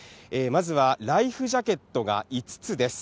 まずはライフジャケットが５つです。